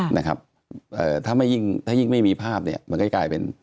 ถ้ายิ่งไม่มีภาพมันก็จะกลายเป็น